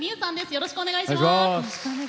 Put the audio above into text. よろしくお願いします。